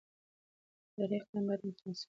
اداري اقدام باید متناسب وي.